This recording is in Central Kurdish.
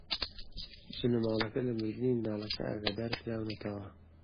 بنەماڵەکە لە مردنی منداڵەکە ئاگادار کراونەتەوە.